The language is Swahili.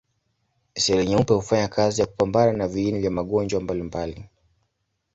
Seli nyeupe hufanya kazi ya kupambana na viini vya magonjwa mbalimbali.